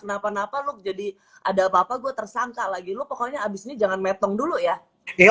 kenapa napa lu jadi ada papa gua tersangka lagi lu pokoknya habis ini jangan metong dulu ya ya